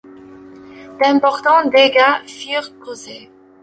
D’importants dégâts furent causés.